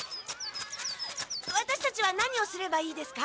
ワタシたちは何をすればいいですか？